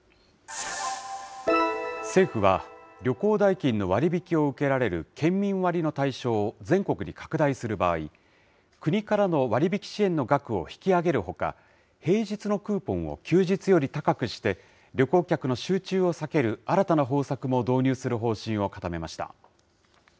政府は、旅行代金の割引を受けられる県民割の対象を全国に拡大する場合、国からの割引支援の額を引き上げるほか、平日のクーポンを休日より高くして、旅行客の集中を避ける新たな方策を導入する方針を固めました。